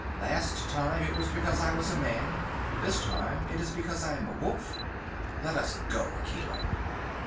Last time it was because I was a man. This time it is because I am a wolf. Let us go, Akela."